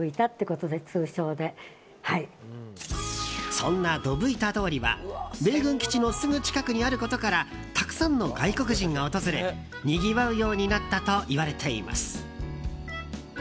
そんなドブ板通りは米軍基地のすぐ近くにあることからたくさんの外国人が訪れにぎわうようになったといわれています。